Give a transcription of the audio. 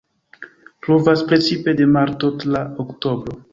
Pluvas precipe de marto tra oktobro.